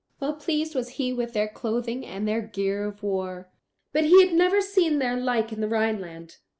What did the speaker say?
Well pleased was he with their clothing and their gear of war; but he had never seen their like in the Rhineland.